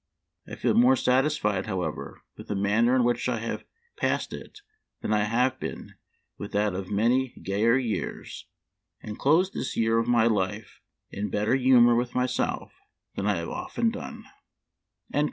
I feel more satisfied, how ever, with the manner in which I have passed it than I have been with that of many gayer years, and close this year of my life in better humor with myself than I have often done."